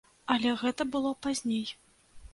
Але гэта было пазней.